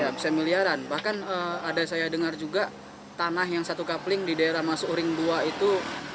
ya bisa miliaran bahkan ada saya dengar juga tanah yang satu coupling di daerah masuk uring dua itu